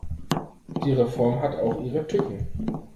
Die Reform hat auch ihre Tücken.